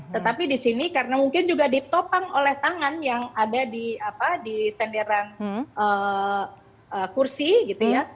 tetapi di sini karena mungkin juga ditopang oleh tangan yang ada di senderan kursi gitu ya